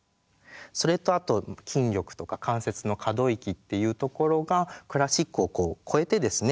それとあと筋力とか関節の可動域っていうところがクラシックを超えてですね